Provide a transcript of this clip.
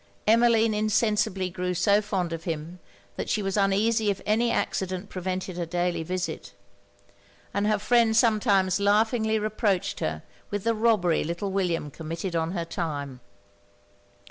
Emmeline insensibly grew so fond of him, that she was uneasy if any accident prevented her daily visit; and her friend sometimes laughingly reproached her with the robbery little William committed on her time.